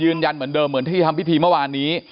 ยืนยันเหมือนเดิมเหมือนที่ทำพิธีเมื่อวานนี้